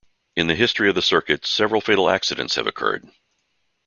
In the history of the circuit, several fatal accidents have occurred.